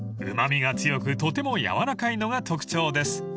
［うま味が強くとても軟らかいのが特徴です］